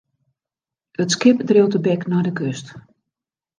It skip dreau tebek nei de kust.